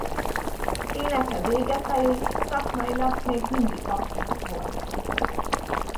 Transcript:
Élete vége felé szakmailag még mindig aktív volt.